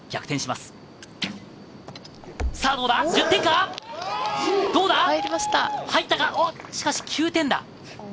しかし９点だ。